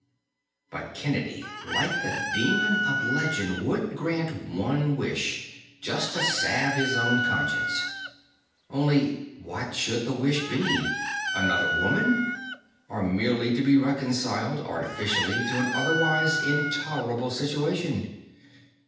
But Kennedy, like the demon of legend, would grant one wish just to salve his own conscience. Only what should the wish be? Another woman? Or merely to be reconciled, artificially, to an otherwise intolerable situation?